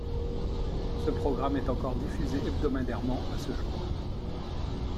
Ce programme est encore diffusé hebdomadairement à ce jour.